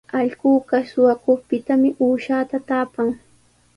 Allquqa suqakuqpitami uushata taapan.